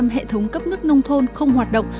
hệ thống cấp nước nông thôn không hoạt động